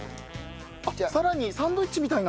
さらにサンドイッチみたいな。